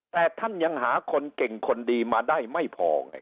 แต่ท่านยังหาคนเก่งคนดีมาได้ไม่พอไง